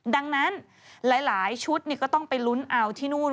ดังนั้นหลายชุดก็ต้องไปลุ้นเอาที่นู่น